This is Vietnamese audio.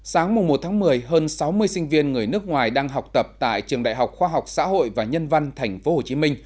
sáng mùa một tháng một mươi hơn sáu mươi sinh viên người nước ngoài đang học tập tại trường đại học khoa học xã hội và nhân văn tp hcm